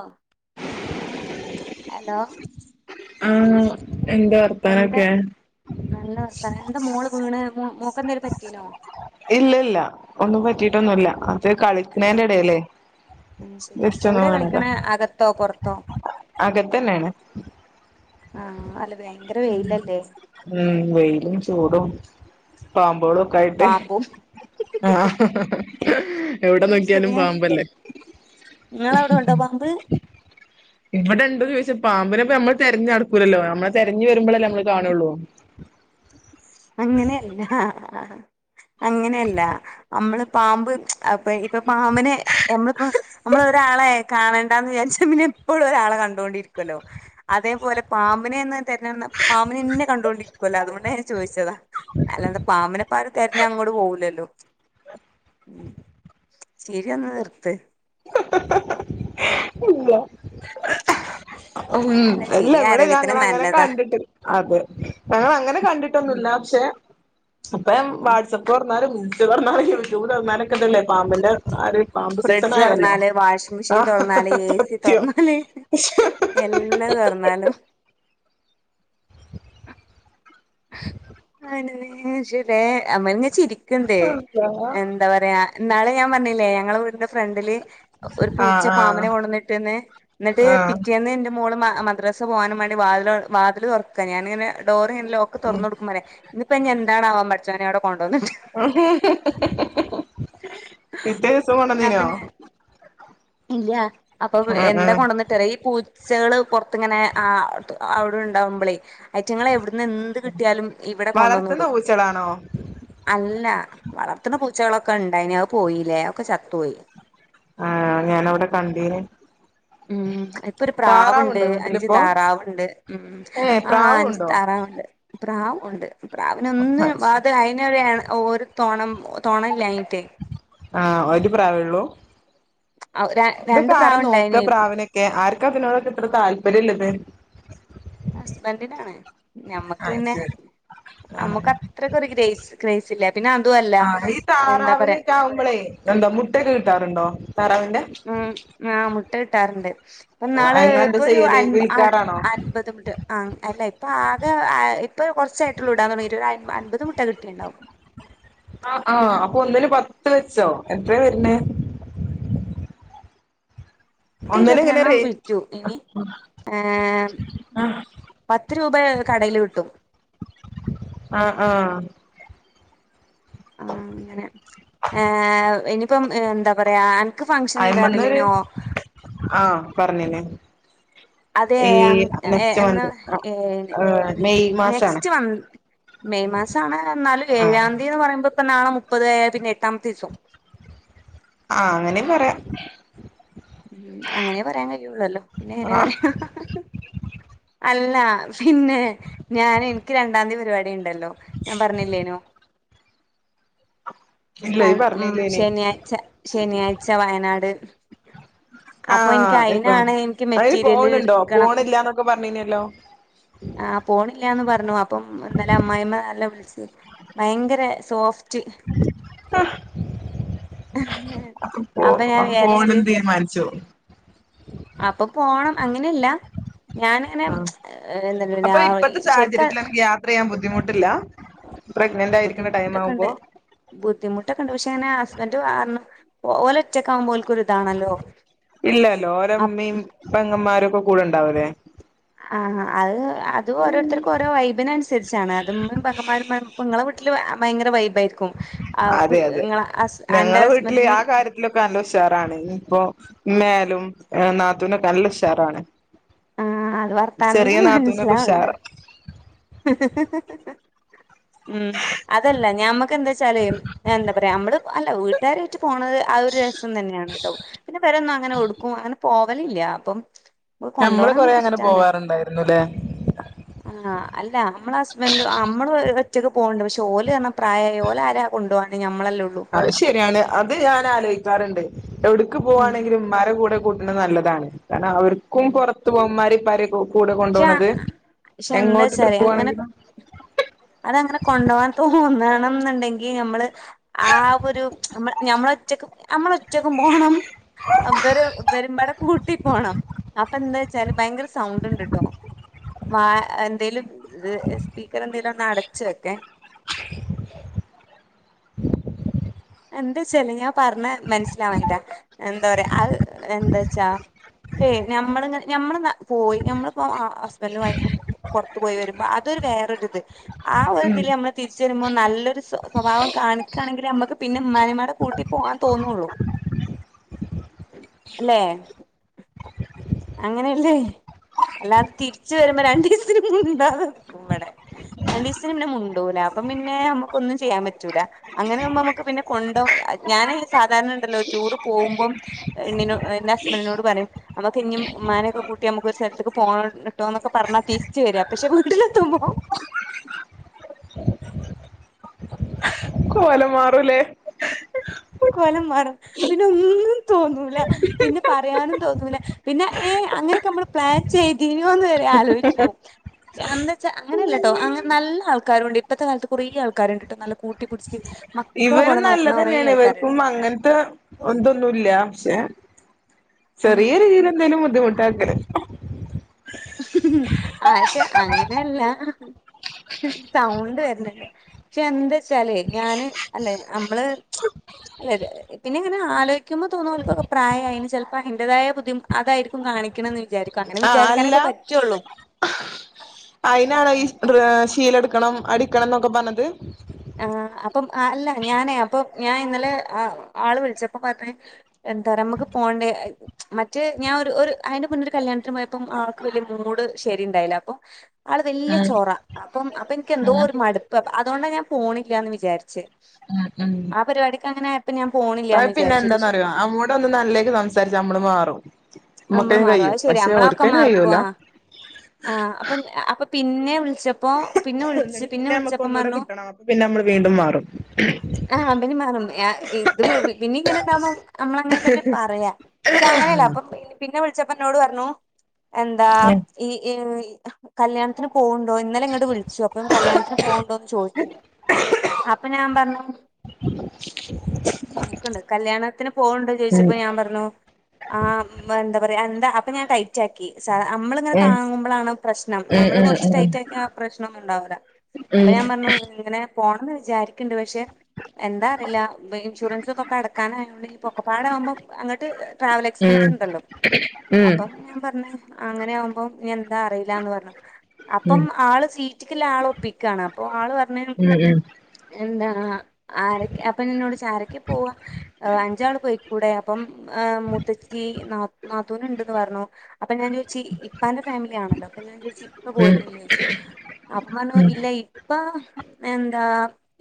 ആഹ് hello ആഹ് എന്താ എന്താ വർത്താനൊക്കെ നല്ല വർത്താനം എന്താ മോള് വീണ് മോക്ക് എന്തേലും പറ്റീനോ ഇല്ലില്ല ഒന്നും പറ്റിട്ടൊന്നുമില്ല അത് കളിക്കുന്നതിന് ഇടയിലെ ആഹ് ശരി എവിടെയാ കളിക്കണ അകത്തോ പുറത്തോ അകത്തന്നെയാണ് ആഹ് അല്ല ഭയങ്കര വെയിലല്ലേ ഉം വെയിലും ചൂടും പാമ്പുകളൊക്കെ ആയിട്ട് പാമ്പും ആഹ് ഹ് ഹ് ഹാ എവിടെ നോക്കിയാലും പാമ്പല്ലേ നിങ്ങളെ അവിടെ ഉണ്ടോ പാമ്പ് ഇവിടെ ഇണ്ട് ചോദിച്ചാ പാമ്പിനെപ്പ നമ്മള് തെരഞ്ഞു നടക്കൂലല്ലോ, നമ്മള് തെരഞ്ഞു വരുമ്പളല്ലേ നമ്മള് കാണുള്ളൂ. അങ്ങനെയല്ല, അങ്ങനെയല്ല. നമ്മള് പാമ്പ് അപ്പ ഇപ്പ പാമ്പിനെ നമ്മളിപ്പോ നമ്മള് ഒരാളെ കാണേണ്ടാന്ന് വിചാരിച്ച പിന്നെ എപ്പഴും ഒരാളെ കണ്ടുകൊണ്ടിരിക്കുല്ലോ. അതേപോലെ പാമ്പിനെന്ന് [unintelligible] പാമ്പിനെന്നെ കണ്ടുകൊണ്ടിരിക്കുവല്ലോ അതുകൊണ്ട് ചോദിച്ചതാ അല്ലാതെ പാമ്പിനെ ഇപ്പ ആരും തെരഞ്ഞ് അങ്ങോട് പോവൂലല്ലോ, ചിരിയൊന്ന് നിർത്ത്. ഇല്ല ഉം അല്ല ചിരി ഇവടെ ആരോഗ്യത്തിന് ഞങ്ങളങ്ങനെ നല്ലതാ കണ്ടിട്ട് അതെ ഞങ്ങളങ്ങനെ കണ്ടി ട്ടൊന്നുല്ല, പക്ഷേ അപ്പം വാട്സആപ്പ് തൊറന്നാലും യൂട്യൂബ് [unintelligible] തൊറന്നിലൊക്കെല്ലേ ഇതല്ലേ പാമ്പിന്റെ ആര്. പാമ്പ് സീസൺ ഫ്രിഡ്ജ് ആയല്ലോ തൊറന്നാല് വാഷിംഗ് മെഷീൻ ആഹ് തൊറന്നാല് ഏ സി സത്യം തൊറന്നാല് എല്ലാ തൊറന്നാലും ആ [unintelligible] അമ്മളന്നെ ചിരിക്കണ്ടേ. എന്താ പറയാ ഇന്നാള് ഞാൻ പറഞ്ഞില്ലേ ഞങ്ങള വീടിന്റെ ഫ്രണ്ടില് ഒരു പൂച്ച ആഹ് ആഹ് പാമ്പിനെ കൊണ്ടന്ന് ഇട്ട്ന്ന് എന്നിട്ട് ആഹ് പിറ്റേന്ന് [unintelligible] മോള് മ മദ്രസ പോകാനും വേണ്ടി വാതില് വാതില് തൊറക്ക ഞാനിങ്ങനെ ഡോറ് ഇങ്ങനെ ലോ ക്ക് ഉം തൊറന്ന് കൊടുക്കമേ പറയ ഇന്ന് ഇപ്പ ഇനി എന്താണാവോ പടച്ചോനെ അവിടെ കൊണ്ടു വന്ന് ഇട്ട് പിറ്റേ ദിവസം ന്നാ കൊണ്ടന്നീനോ? പിന്നെ ഇല്ല, അപ്പോ ആഹ് എന്താ ആഹ് കൊണ്ടു വന്നിട് ട്ട് പറയാ ഈ പൂച്ചകള് പൊറത്തിങ്ങനെ ആ അവിടെ ഇണ്ടാവുമ്പളേ. ഐറ്റങ്ങള് എവിട്ന്ന് എന്ത് കിട്ടിയാലും ഇവിടെ കൊണ്ടുവന്ന് വളർത്തുന്ന ഇടും. പൂച്ചകളാണോ അല്ല വളർത്തുന്ന പൂച്ചകളൊക്കെ ഇണ്ടായിന് അത് പോയില്ലേ ഒക്കെ ചത്തു പോയി. ആണോ ഞാനവിടെ കണ്ടീന്. മ് ഇപ്പ ഒരു പ്രാവുണ്ട്, താറാവുണ്ടോ അഞ്ച് വീട്ടിലിപ്പോ താറാവുണ്ട്, മ് ഏഹ് ആഹ് അഞ്ച് പ്രാവുണ്ടോ താറാവുണ്ട്. പ്രാവ് ഉണ്ട് പ്രാവിനെ ഒന്നിനും [unintelligible] അയിനൊരു എന ഒരു തോണം തൊണയില്ലായിട്ടെ ആഹ് ഒരു പ്രാവേള്ളൂ, രണ്ട് ഇതൊക്കെ ആരാ പ്രാവുണ്ടായിനി നോക്ക പ്രാവിനെക് ക്കെ ആർക്ക ഇപ്പ ഇതിനോടൊക്കെ ഇത്ര താല്പര്യം ഇള്ളത്. ഹസ്ബൻഡിനാണ് ഞമ്മക്ക് ആഹ് പിന്നെ ശരി ആഹ് അമ്മക്ക് അത്രക്കൊരു ഗ്രസ് ക്രെസില്ല. പിന്നെ അതുവല് ആഹ് ഈ താറാവിന്ക്കെ ആവുമ്പളെ എന്താ മുട്ടൊക്കെ കിട്ടാറുണ്ടോ താറാവിന്റെ. ആഹ് മുട്ട കിട്ടാറുണ്ട്, ഇപ്പം ഇന്നാള് അങ്ങളെന്താ ഇപ്പോരു ചെയ്യല് അൻ അ വിൽക്കാറാണോ അൻപത്. മുട്ട ആ അല്ല ഇപ്പ ആകെ ആ ഇപ്പ കുറച്ചായിട്ടുള്ളൂ ഇടാൻ തൊടങ്ങിട്ട് ഒരയ് അൻപത് മുട്ട കിട്ടിണ്ടാവും. ആഹ് അപ്പ ഒന്നിന് പത്ത് വെച്ചോ എത്രയാ വര്ണെ. പത്തി ഒന്നിന് ഇരുപത്തി എങ്ങനെ രണ്ണ്ണം റേ വിറ്റു, ഇനി ഏഹ് ആഹ് പത്ത് രൂപ കടയിൽ കിട്ടും. ആഹ് ആഹ് ആഹ് അങ്ങനെ ഏഹ് ഇനിപ്പം എന്താ പറയാ അന് അയിമന്നര് ആഹ് പറഞ്ഞേനേ. അതെ എൻ എ എ എന്ന ഏ ഏഹ് മെയ് മാസാണ് നെക്സ്റ്റ് വന് മെയ് മാസാവാന എന്നാല് ആഹ് ഏഴാം തീയതി എന്ന് പറയുമ്പോ ഇപ്പ നാളെ മുപ്പത് പിന്നെ എട്ടാമത്തെ ദിസം. ആഹ് അങ്ങനേം പറയാ. മ് അങ്ങനെ പറയാൻ കഴിയുള്ളല്ലോ പിന്നെ എങ്ങനെ ആഹ് പറയാ. അല്ല പിന്നെ ഞാൻ എനിക്ക് രണ്ടാം തീയതി പരിപാടി ഇണ്ടല്ലോ ഞാൻ പറഞ്ഞില്ലേനോ. ഇല്ല കൺ ഇയ്യ് മ് പറഞ്ഞില്ലേനി ശെനിയാഴ്ച ശെനിയാഴ്ച വയനാട് അപ്പൊ എനിക്ക് ആഹ് ഇപ്പ അയിനാണ് എനിക്ക് അയിന് മെറ്റീരിയല് പോണുണ്ടോ എടുക്കണം പോണില്ലാന്നൊക്കെ പറഞ്ഞീനല്ലോ ആഹ പോണില്ലന്ന് പറഞ്ഞു അപ്പം ഇന്നലെ അമ്മായിമ്മന്നലെ വിളിച്ചു ഭയങ്കര സോഫ്റ്റ് ആ [inaudible] ആഹ അപ്പൊ പോണം തീരുമാനിച്ചോ അപ്പൊ പോണം അങ്ങനെയല്ല ഞാന അങ്ങനെ ആഹ് എന്ത പിന്നെ അപ്പൊ ഇപ്പത്തെ ശരിക്ക സാഹചര്യത്തിൽ അനക്ക് യാത്ര ചെയ്യാൻ ബുദ്ധിമുട്ടില്ല പ്രെഗ്നന്റ് ആയിരിക്കുന്ന ടൈം ബുദ്ധിമുട്ടൊക്കെ ഉണ്ട് ആവുമ്പോൾ ബുദ്ധിമുട്ടൊക്കെ ഉണ്ട് പക്ഷെ അങ്ങനെ ഹസ്ബണ്ട് പറഞ്ഞു ഓല് ഒറ്റക്കാവുബോ ഓൽക്കരിതാണല്ലോ അ അപ്പ പങ്ങന്മാരൊക്കെ കൂടെ ഉണ്ടാവില്ലേ ആഹാ അത് ഓരോരുത്തർക്ക് ഓരോ വൈബിന അനുസരിച്ചാണ് അതും ഉമ്മിപ്പങ്ങമാരും ഇങ്ങ ഭയങ്കര വൈബായിരിക്കും അതെ ആൻ്റ് ഹസ്ബന്റിന് അതിലെകെ നല്ല ഉഷാരാണ് ഇഞ്ച്പോ ഇമ്മാനകിലും നാത്തൂനൊക്കെ നല്ലഷാറാണ് ആഹ് അത് ചെറിയ വർത്താനത്തിന്ന് നാത്തൂനെകെ ഉഷാറ മനസ്സിലാവ്ണ്ട് [inaudible] ഉം അതല്ല ഞമ്മക്ക്ന്താ വെച്ചാല് എന്താ പറയാ നമ്മള് അല്ല എല്ലാരായിട്ട് പോണത് ആ ഒരു രസം തന്നെയാണ് കേട്ടോ ൻ്റെപെരീന്ന് ഒന്നും അങ്ങനെ കൊടുക്കും അങ്ങനെ പോവലില്ല അപ്പം കൊണ്ടുപോണ ഞമ്മള് കൊറേ നമ്മുക്ക് അങ്ങനെ ഇഷ്ടാണ് പോവാറുണ്ടായിരുന്നുല്ലേ ആ അല്ല നമ്മളെ ഹസ്ബൻഡ് നമ്മള് ഒറ്റക്ക് പോകണ്ട് പക്ഷേ ഓലെ പ്രായമായി ഓലെ ആരാ കൊണ്ട പോകാണ് ഞമ്മളെല്ലേ ഉള്ളൂ അത് ശരിയാണ് അത് ഞാൻ ആലോചിക്കാറുണ്ട് എവിടക്ക് ഉം പോകവാണെങ്കിലും മാരെ കൂടെ കൂട്ടുന്നത് നല്ലതാണ് കാരണം അവർക്കും ഉം പുറത്ത് പോകന്മാരി ഇപാരി കൂടെ പക്ഷെ കൊണ്ടുപോണത് പക്ഷെ എങ്ങോട്ട് എന്താച്ചാല് ട്രിപ്പ് അങ്ങനെ പോകവാണെങ്കിലും അതങ്ങനെ കൊണ്ട് പോകാൻ തോന്നണം എന്നുണ്ടെങ്കി നമ്മള് ആ ഒരു നമ്മള് ഒറ്റക്ക് നമ്മള് ഒറ്റക്ക് പോണം ഇവരും പാടെ കൂട്ടി പോണം അപ്പ എന്താ ഭയങ്കര സൗണ്ട്ണ്ട് കേട്ടോ എന്തലും സ്പീക്കർ എന്ത അടച്ചൊക്കെ എന്താച്ചല് ഞാൻ പറഞ്ഞ മനസ്സിലാവാഞ്ഞിറ്റാ എന്താ പറയാ എന്താ വച്ചാ ഏയ് നമ്മളങ്ങനെ നമ്മൾ പോയി നമ്മളിപ്പോ ഹസ്ബൻറും വൈഫും പുറത്തു പോയി വരുമ്പോ അതൊരു വേറൊരുരിത് ആ ഒരു ഉം ഇതില് നമ്മള് തിരിച്ച വരുമ്പോൾ നല്ലൊരു സ്വഭാവം കാണിക്കാണെങ്കിൽ നമ്മുക്ക് പിന്നെ ഉമ്മാനിപാടെ കൂട്ടി പോകാൻ തോന്നുള്ളു അല്ലെ അങ്ങനെയല്ലേ അല്ലാതെ തിരിച്ച വരുമ്പോ രണ്ടു ദിവസത്തിന് മിണ്ടാതെ നിക്കും ഇവിടെ രണ്ടീസത്തിന്ന് മുണ്ടൂല അപ്പ പിന്നെ നമ്മുക്കൊന്നും ചെയ്യാൻ പറ്റൂല അങ്ങനെവുബോ നമുക്ക് പിന്നെ കൊണ്ടോ ഞാന് സാധാരണ ഉണ്ടല്ലോ റ്റുറ് പോകുമ്പം ഇന്നിനോട് എന്റെ അസ്മനിനോട് പറയും നമുക്ക് ഇഞ്ഞും ഉമനെക്കെ കൂട്ടി നമുക്ക് ഒരു സ്ഥലത്ക് പോണട്ടോന്നൊക്കെ പറഞ്ഞ തിരിച്ചു വരി പക്ഷെ വീട്ടിലെത്തുമ്പോ കോലം മാറൂല്ലേ കോലം മാറും പിന്നെ ഒന്നും തോന്നൂല പിന്നെ പറയാനും തോന്നൂല പിന്നെ ഏ അങ്ങനെയൊക്കെ നമ്മള് പ്ലാൻ ചെയ്തിനുന്ന് വരെ ആലോചിച്ചു പോവും എന്താ വെച്ചാ അങ്ങനെല്ല കേട്ടോ അങ്ങനെ നല്ല ആൾക്കാരുണ്ട് ഇപ്പഴത്തെ കാലത്ത് കുറേ ആൾക്കാരുണ്ട് കേട്ടോ നല്ല കൂട്ടിപ്പടിച്ച് മക്കളെ ഇവരും പോലെ നോകുന്ന കുറെ നല്ലതന്നെയാണ് ആൾകാർ ഇവർക്കും അങ്ങനത്തെ ബന്തൊന്നുല്ല പക്ഷേ ആ ചെറിയ രീതിയിൽ എന്തേലും ബുദ്ധിമുട്ടാക്കല് ആശെ അങ്ങനെയല്ല സൗണ്ട് വരണണ്ട് ക്ഷെ എന്താച്ചാല് ഞാന് അല്ലെ നമ്മള് അല്ലെ ഇ പിന്നെങ്ങനെ ആലോയ്ക്കുമ്പോ തോന്നു ഓൽക്കൊക്കെ പ്രായായിന് ചെൽപ്പോ അയിന്റെതായ ബുദ്ധി അതായിരിക്കും കാണിക്കണം ന്ന് വിചാരി കങ്ങനെ വിചാരി എല്ലാം അയ്നാണോ ഇയ് റെ ശീലെടുക്കണം അടിക്കണം എന്നൊക്കെ പറഞ്ഞത് ആഹ് അപ്പം അല്ല ഞാനേ അപ്പൊ ഞാൻ ഇന്നലെ അ ആള് വിളിച്ചപ്പ പർഞ്ഞ് എന്താറിയാ മക്ക് പോണ്ടേ മറ്റേ ഞാൻ ഒരു ഒരു അയ്ന്റെ മുന്നെരു കല്യാണത്തിന് പോയപ്പം ആൾക്ക് വലിയ മൂട് ശരി ണ്ടായില അപ്പം ആള് വല്യ ഉം ചൊറ അപ്പം അപ്പൊ എനിക്ക് എന്തോ ഉം ഒരു മടുപ്പ് അതോണ്ട ഞാൻ പോണില്ലാന്ന് വിചാരിച്ചെ ഉം ഉം ആ പരിപാടിക്കങ്ങനെ പ്പൊ ഞാൻ പോണില്ലന്ന് വിചാരിച്ച് പഷെ തൊന്ന് നല്ലേയ്ൽ സംസാരിച്ച അമ്മള് മാറും നമ്മള് മ്മുക്കേയ്ന് മറു കഴിയും അത് ശരിയാ പക്ഷെ ഓര്ക് നമ്മളൊക്കെ അയ്‌ന് മറക്കും കഴിയൂല്ല ആഹ് ആഹ് അപ്പം അപ്പൊ പിന്നെ വിളിച്ചപ്പോ പിന്നെ വിളിച്ച് എന്നിട്ട് പിന്നെ മ്മക്ക് വിളിച്ചപ്പം ഒന്നുടെ പറഞ്ഞു കിട്ടണം അപ്പൊ പിന്നെ നമ്മള് വീണ്ടും മാറും ആഹ് അമ്പനി മാറും യാ ഇത് പ് പിന്ന ഇങ്ങനെണ്ടാഉമ്പോ അമ്മളഅങ്ങനെ തന്നെ പറയാ ക്ഷെ അങ്ങനെയല്ല അപ്പ പിന്നെ വിളിച്ചപ്പന്നോട് പറഞ്ഞു എന്താ ഉം ഇ ഈ കല്യാണത്തിന് പോ പ്പോ ഇന്നലെ ഇങ്ങട്ട് വിളിച്ചു അപ്പൊ കല്യാണത്തിന് പോഉണ്ടോന്ന് ചോയ്കു അപ്പൊ ഞാൻ പറഞ്ഞു [inaudible] നമുക്ണ്ട് കല്യാണത്തിന് പോഹ്ണ്ടൊ ചോയ്ച്ചപ്പോ ഉം ഞാൻ പറഞ്ഞു ആഹ് ഇമ്മ എന്താ പറയാ എന്താ പ്പൊ ഞാൻ ടൈറ്റാക്കി സ അമ്മൾ ങ്ങനെ ഉം താങ്ങുമ്പളാണ് പ്രശ്നം അമ്മള് കൊറച്ച് ഉം ഉം ഉം ഉം ഉം ഉം ഉം ഉം ടൈറ്റാക്ക്യാ ആ പ്രശ്നം ഒന്നും ഉണ്ടാവുല്ല അപ്പം ഞാൻ പറഞ്ഞു ഇങ്ങനെ പോണംന്ന് വിചാരിക്ണ്ട് പക്ഷെ എന്താ അറിയില്ല മ്പേ ഇൻഷുറൻസ്ക്കൊക്കെ അടക്കാനായോണ്ട് ഞ് പൊക്കപ്പാടെ ആകുമ്പോ അങ്ങട്ട് ട്രാവൽ എക്സ്പെൻസ്ണ്ടല്ലോ ഉം ഞാൻ പറഞ്ഞേ അങ്ങനെ ആകുമ്പോം ഞ്ഞിഎന്താ അറിയില്ലാന്ന് പറഞ്ഞു അപ്പം ആള് സീറ്റിക്ക്ല്ല ആൾ ഒപ്പിക്കാണ് അപ്പൊ ആള് പറഞ്ഞ് എന്താ ആരൊക്കെ അപ് പ്പന്നോട് ചാരക്കെ പോവ അഞ്ചാൾ പോയിക്കൂടെ പ്പം എഹ് മുത്തച്ചി നാ നാത്തൂന്ണ്ടെന്ന് പറഞ്ഞു അപ്പൊഞാൻ ചോയ്ച്ചി ഇപ്പാന്റെ ഫാമിലി ആണല്ലോ അപ്പൊ ഞാൻ ചോയ്ച്ചി പ്പ പോരുന്നില്ലേ ചോയ്ച്ചി അപ്പം പറഞ്ഞു ഇല്ല ഇപ്പ എന്താ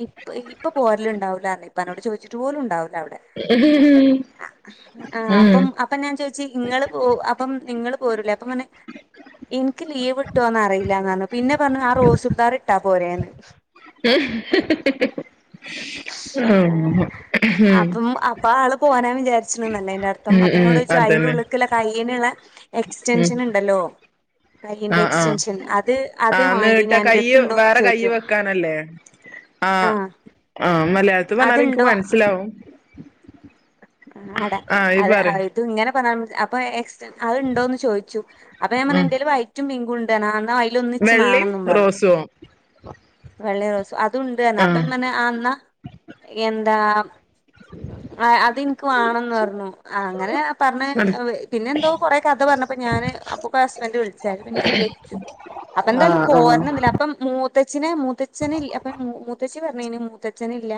ഇപ് ഇപ്പൊ പോരല് ഉണ്ടാവുല്ല പറഞ്ഞ് ഇപ്പാനോട് ചോയ്ച്ചിട്ട് പോലും ഉണ്ടാവൂല അവിടെ ആഹ് അപ്പം അപ്പൊ ഞാൻ ചോയിച്ചു ഇങ്ങള് പോവ് അപ്പം നിങ്ങളൾ പോരൂലേ അപ്പപറഞ്ഞ് ഇന്ക്ക് ലീവ് ഇട്ടോന്ന് അറിയില്ലാന്നറഞ്ഞ് പിന്നെ പറഞ്ഞ് ആ റോസ് ചുരിദാർ ഇട്ടാ പോരേന്ന് ഉം ഉം ഉം ഉം പ്പ ആള് പോആനാ വിചാരിച്ണ്ന്നല്ലെയ്ന്റെ അർത്ഥം അപ്പ ന്നോട് ചോയ്ചു അയ്ന്റെ അതന്നെ ഉള്ള്ക്ക്ള്ള കയ്യ്ന്ള്ള ഉം എക്സ്റ്റെൻഷന് ണ്ടല്ലോ ആഹ് ആഹ് കയ്യ്ന്റെക്സ്റ്റെൻഷൻ അത് അത് ആഹ് വാണ്ടീന് നീട്ടാ കയ്യ് അന്റെടുത്ത്ണ്ടോന്ന് വേറെ കയ്യ് ചോയ്ച്ചു വെക്കാനല്ലേ ആഹ് ആഹ് മലയാളത്തി പറഞ്ഞാലു ഇൻക്ക് അത്ണ്ടോ മനസ്സിലാവും ആഹ് ആടാ ആഹ് ഇയ്യ് അത് പറയ് ഇത് ഇങ്ങനെ പറഞ്ഞാൽ അപ്പൊ എക്സറ്റൻ അത്ണ്ടോന്ന് ചോയ്ച്ചു അപ്പ ഞാൻ പറഞ്ഞു ഉം എന്റെല് വൈറ്റും പിങ്കും ഉണ്ട്ർഞ് ആഹ് ന്നാ അയ്ലൊന്ന് ച്ച് വെള്ളിയും മാണെന്നും പർഞ് റോസുവോ വെള്ള റോസും അതുണ്ട് അർഞ് അപ്പം ആഹ് മർഞ്ഞ് ആഹ് എന്നാ എന്താ ആഹ് അത് ഇൻക്ക് വാണംന്ന് പറഞ്ഞു അങ്ങനെ പറഞ്ഞ നട പിന്നെ എന്തോ കൊറെ കഥ പറഞ്ഞപ്പ ഞാന് പ്പൊ ഹസ്ബന്റ് വിളിച്ചയ്ല് പിന്നെ ഞാൻ വെച്ചു അപ്പൊ എന്തായാലും ആഹ് ആഹ് പോരണതില അപ്പം മൂത്തച്ചിനെ മൂത്തച്ഛനിൽ അപ്പ മൂത്തച്ചി പറഞ്ഞീനും മൂത്തച്ഛൻ ഇല്ല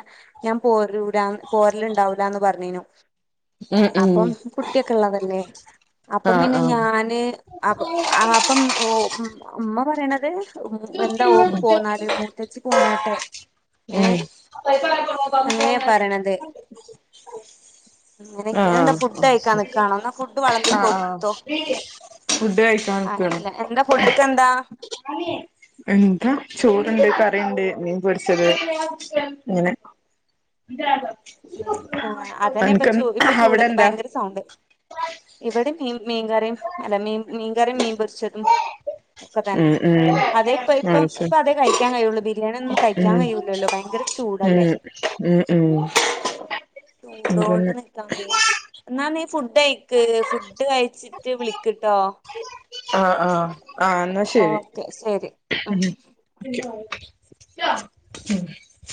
ഞാൻ പോരു ല പോരല് ണ്ടാവുലാന്ന് പറഞ്ഞീനു ഉം ഉം അപ്പം കുട്ടിയൊക്കെള്ളതല്ലേ അപ്പം ആഹ് പിന്നെ ആഹ് ഞാന് അപ് ആപ്പം ഓ ഇമ്മ പറയണത് എന്താ ഓക്ക് പോന്നാല് മുത്തേച്ചി പോന്നോട്ടെ ഉം ഏഹ് അങ്ങനെയാ പറയണത് [unintelligible] അങ്ങനൊക്കെ എന്താ ആഹ് ഫുഡ് കഴിക്കാൻ ആഹ് നിക്കാണോ എന്നാ ഫുഡ് വിളമ്പി ആഹ് ആഹ് കൊടുത്തോ ഫുഡ് കഴിക്കാനൊക്കയാണോ? ആയില്ല എന്താ ഫുഡ്ക്ക് എന്താ എന്താ ചോറുണ്ട് കറിയുണ്ട് മീൻ പൊരിച്ചത് ഇങ്ങനെ നെ അതന്നെ ഇപ്പ അനക്ക് ചൂ ഇപ്പം അവിടെ ചൂടത്ത് എന്താ ഭയങ്കര സൗണ്ട് ഇവിടെ മീൻ മീൻകറിയും അല്ല മീൻ മീൻകറിയും മീൻ പൊരിച്ചതും ഒക്കെ തന്നെ ഉം ഉം അതെ ഇപ്പം ഇപ്പം അത് ഇപ്പ ശരി അതേ കഴിക്കാൻ കഴിയുള്ളു ബിരിയാണി ഒന്നും കഴിക്കാൻ ഉം കഴിയൂല്ലല്ലോ ഭയങ്കര ചൂടല്ലേ ഉം ഉം ഉം ചൂടോണ്ട് അതന്നെ നി നിക്കാൻ വയ്യാ എന്നാ നീ ഫുഡ് കഴിക്ക് ഫുഡ് കഴിച്ചിട്ട് വിളിക്കട്ടോ ആഹ് ആഹ് ആഹ് എന്നാ ശരി കെ ശരി ഉം ഉം